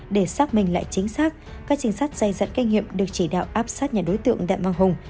để xác minh lại chính xác các trình sát dạy dẫn kinh nghiệm được chỉ đạo áp sát nhà đối tượng đặng văn hùng